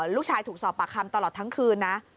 ลูกชายถูกสอบปากคำตลอดทั้งคืนนะ